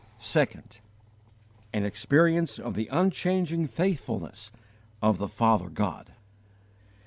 2. An experience of the _unchanging faithfulness of the Father God.